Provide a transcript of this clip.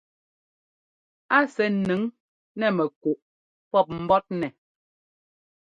A sɛ́ ńnʉŋ nɛ mɛkúꞌ pɔ́p mbɔ́tnɛ.